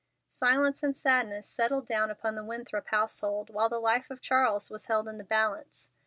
Silence and sadness settled down upon the Winthrop household while the life of Charles was held in the balance.